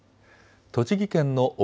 栃木県の奥